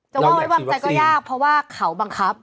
ว่าไว้วางใจก็ยากเพราะว่าเขาบังคับ